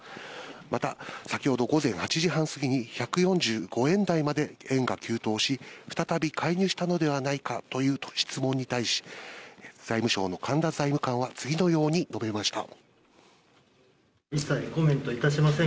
また先ほど午前８時半すぎに１４５円台まで円が急騰し、再び介入したのではないかという質問に対し、財務省の神田財務官は次のように述べました。